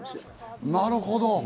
なるほど。